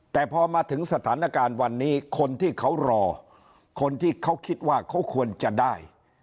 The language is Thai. แต่พอมาถึงสถานการณ์วันนี้คนที่เขารอคนที่เขาคิดว่าเขาควรจะได้